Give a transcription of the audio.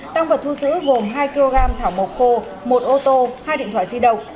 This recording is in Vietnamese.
tăng vật thu giữ gồm hai kg thảo mộc khô một ô tô hai điện thoại di động